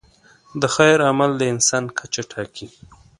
د خیر عمل د انسان کچه ټاکي.